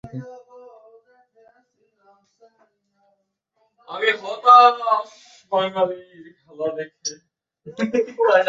কে জানে হয়তো কবি এ কারণেই পৃথিবীর স্বাদ নিতে চেয়েছিলেন অন্য চোখে।